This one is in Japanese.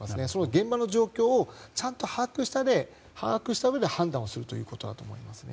現場の状況をちゃんと把握したうえで判断をするということだと思いますね。